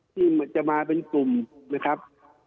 ที่จะมาเป็นกลุ่มนะครับ